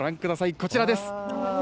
こちらです。